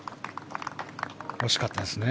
惜しかったですね。